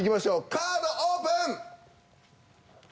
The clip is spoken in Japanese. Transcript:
カードオープン！